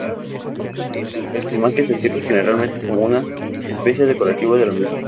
El zumaque se sirve generalmente como una especia decorativa de la mesa.